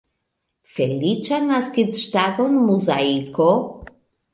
Feliĉan naskiĝtagon Muzaiko!